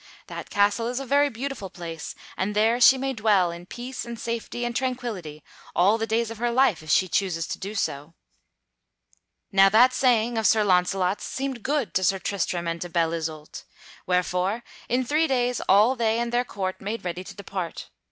That castle is a very beautiful place, and there she may dwell in peace and safety and tranquillity all the days of her life if she chooses to do so." [Sidenote: They depart for Joyous Gard] Now that saying of Sir Launcelot's seemed good to Sir Tristram and to Belle Isoult; wherefore in three days all they and their court made ready to depart.